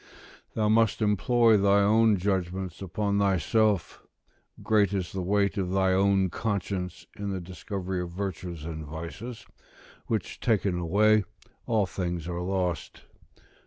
["Thou must employ thy own judgment upon thyself; great is the weight of thy own conscience in the discovery of virtues and vices: which taken away, all things are lost."